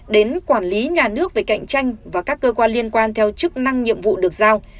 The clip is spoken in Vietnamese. đến quản lý nhà nước về cạnh tranh và các cơ quan liên quan theo chức năng nhiệm vụ được giao